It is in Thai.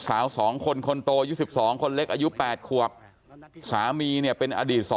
๒คนคนโตอายุ๑๒คนเล็กอายุ๘ขวบสามีเนี่ยเป็นอดีต๒